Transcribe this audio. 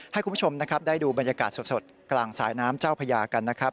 ให้คุณผู้ชมนะครับได้ดูบรรยากาศสดกลางสายน้ำเจ้าพญากันนะครับ